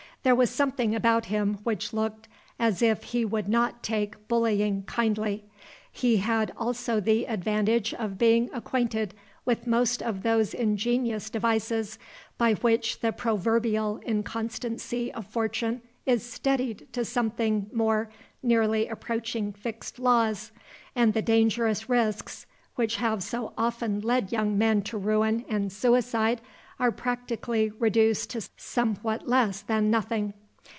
There was something about him which looked as if he would not take bullying kindly. He had also the advantage of being acquainted with most of those ingenious devices by which the proverbial inconstancy of fortune is steadied to something more nearly approaching fixed laws, and the dangerous risks which have so often led young men to ruin and suicide are practically reduced to somewhat less than nothing.